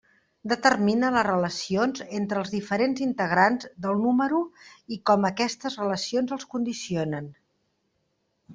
Determina les relacions entre els diferents integrants del número i com aquestes relacions els condicionen.